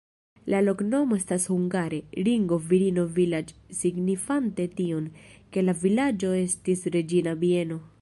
La loknomo estas hungare: ringo-virino-vilaĝ', signifante tion, ke la vilaĝo estis reĝina bieno.